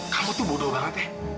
kamu tuh bodoh banget ya